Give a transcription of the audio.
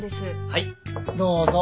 はいどうぞ